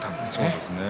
そうですね。